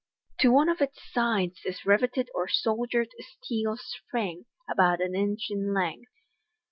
To one of its sides is riveted or ^oldrred a steel spring, about an inch in length.